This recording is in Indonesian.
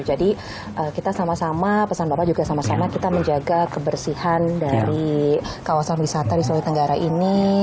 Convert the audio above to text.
jadi kita sama sama pesan bapak juga sama sama kita menjaga kebersihan dari kawasan wisata di sulawesi tenggara ini